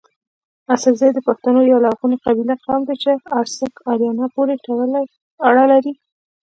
اڅکزي دپښتونو يٶه لرغوني قبيله، قوم دئ چي د ارڅک اريانو پوري اړه لري